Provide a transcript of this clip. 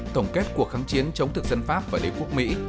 tổng kết cuộc kháng chiến chống thực dân pháp và đế quốc mỹ